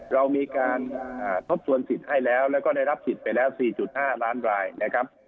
เรามีการทบทวนสิทธิ์ให้แล้วแล้วก็ได้รับสิทธิ์ไปแล้ว๔๕ล้านรายนะครับ